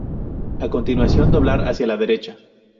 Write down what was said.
A continuación doblar hacia la derecha.